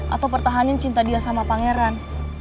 atau pertahanin cinta dia sama pangeran